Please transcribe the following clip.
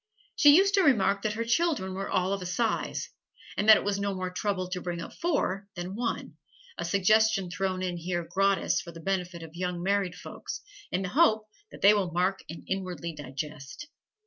She used to remark that her children were all of a size, and that it was no more trouble to bring up four than one, a suggestion thrown in here gratis for the benefit of young married folks, in the hope that they will mark and inwardly digest.